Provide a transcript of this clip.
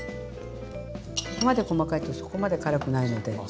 ここまで細かいとそこまで辛くないので。